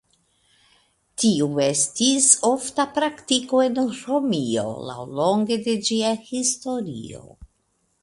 Tiu estis ofta praktiko en Romio laŭlonge de ĝia historio.